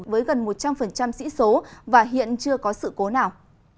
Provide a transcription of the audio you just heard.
với gần một trăm linh sĩ số và hiện chưa có sự cố nào